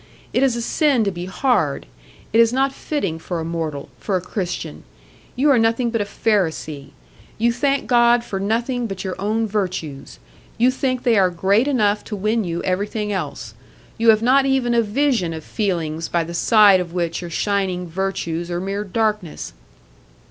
It is a sin to be hard; it is not fitting for a mortal, for a Christian. You are nothing but a Pharisee. You thank God for nothing but your own virtues; you think they are great enough to win you everything else. You have not even a vision of feelings by the side of which your shining virtues are mere darkness!"